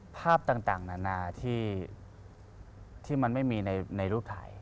ภาพต่างนานาที่มันไม่มีในรูปถ่าย